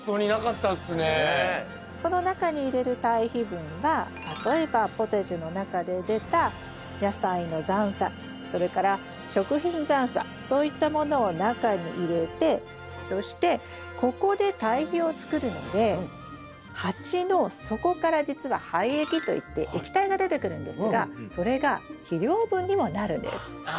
この中に入れる堆肥分は例えばポタジェの中で出た野菜の残それから食品残そういったものを中に入れてそしてここで堆肥をつくるので鉢の底からじつは廃液といって液体が出てくるんですがそれが肥料分にもなるんです。